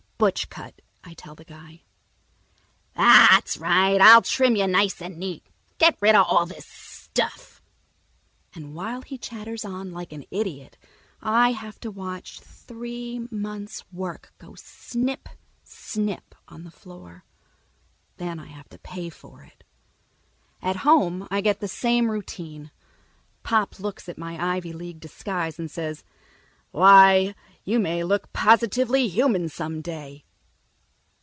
"Butch cut," I tell the guy. "That's right. I'll trim you nice and neat. Get rid of all this stuff." And while he chatters on like an idiot, I have to watch three months' work go snip, snip on the floor. Then I have to pay for it. At home I get the same routine. Pop looks at my Ivy League disguise and says, "Why, you may look positively human some day!"